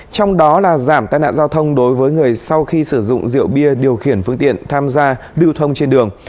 trong đó là giảm tai nạn giao thông đối với người sau khi sử dụng rượu bia điều khiển phương tiện tham gia lưu thông trên đường